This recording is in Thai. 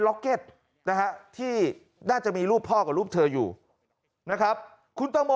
็อกเก็ตนะฮะที่น่าจะมีรูปพ่อกับรูปเธออยู่นะครับคุณตังโม